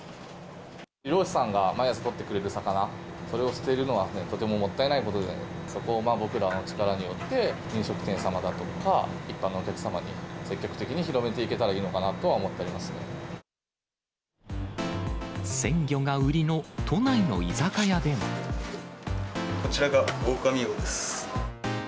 漁師さんが毎朝取ってくれる魚、それを捨てるのはとてももったいないことで、そこを僕らの力によって、飲食店様だとか一般のお客様に積極的に広めていけたらいいのかな鮮魚が売りの都内の居酒屋でこちらがオオカミウオです。